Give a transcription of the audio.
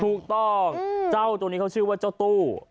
ถูกต้องเจ้าตัวนี้เขาชื่อว่าเจ้าตู้